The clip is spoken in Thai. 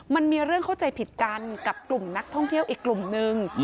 มันมีเรื่องเข้าใจผิดกันกับกลุ่มนักท่องเที่ยวอีกกลุ่มนึง